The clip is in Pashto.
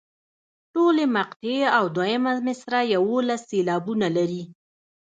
ټولې مقطعې او دوهمه مصرع یوولس سېلابونه لري.